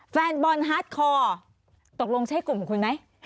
แฟนบอลฮาร์ดคอร์ตกลงใช้กลุ่มของคุณไหม